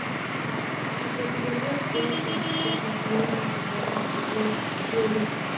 Si se pierden todos antes de concluir la semana, el juego concluye.